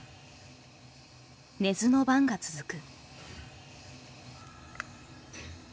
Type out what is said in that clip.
寝ずの番が続く。